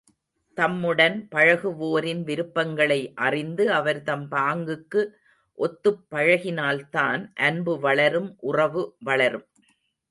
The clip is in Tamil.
தம்முடன் பழகுவோரின் விருப்பங்களை அறிந்து அவர்தம் பாங்குக்கு ஒத்துப் பழகினால்தான் அன்பு வளரும் உறவு வளரும்.